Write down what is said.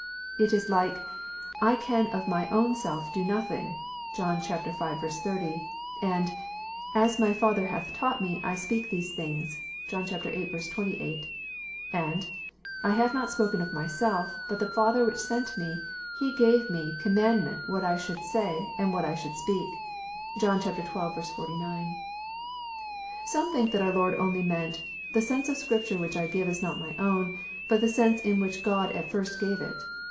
It is like, " I can of my own self do nothing," (John v. 80,) and *'as my Father hath taught me I speak these things," (John viii. 28,) and '* I have not spoken of myself; but the Father which sent me He gave me com mandment what I should say and what X should speak." (John xii. 49.) Some think that our Lord only meant, " The sense ot Scrip ture which I give is not my own, but the sense in which God at first gave it."